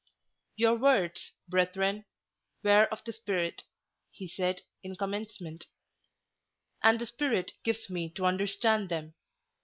"Your words, brethren, were of the Spirit," he said, in commencement; "and the Spirit gives me to understand them.